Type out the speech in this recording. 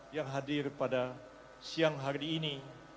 yang hadir pada siang hari ini